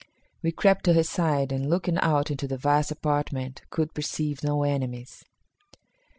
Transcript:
We crept to his side, and, looking out into the vast apartment, could perceive no enemies.